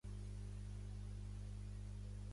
Semblant al llorer que reivindica Laura.